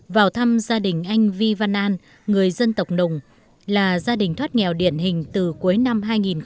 vào thăm gia đình anh vi văn an người dân tộc nùng là gia đình thoát nghèo điển hình từ cuối năm hai nghìn một mươi